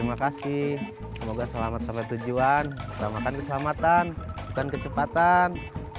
terima kasih semoga selamat sampai tujuan utamakan keselamatan dan kecepatan